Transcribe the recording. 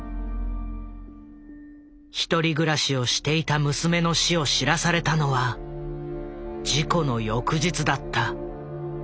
１人暮らしをしていた娘の死を知らされたのは事故の翌日だった。